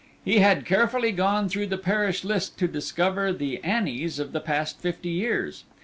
He had carefully gone through the parish list to discover the Annies of the past fifty years.